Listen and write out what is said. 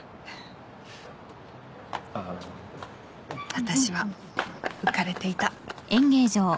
私は浮かれていた。